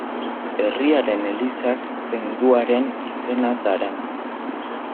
Herriaren elizak sainduaren izena darama.